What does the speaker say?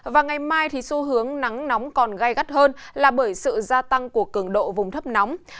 và ngày mai xu hướng nắng nóng còn gai gắt hơn là bởi sự gia tăng của cường độ vùng thấp nóng